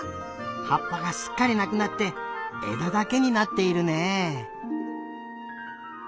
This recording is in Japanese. はっぱがすっかりなくなってえだだけになっているね。